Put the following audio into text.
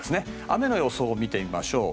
雨の予想を見てみましょう。